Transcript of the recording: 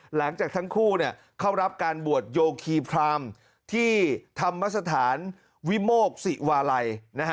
หลังจากทั้งคู่เข้ารับการบวชโยคีพรามที่ธรรมสถานวิโมกศิวาลัย